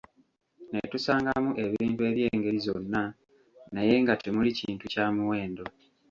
Ne tusangamu ebintu eby'engeri zonna naye nga timuli kintu kya muwendo.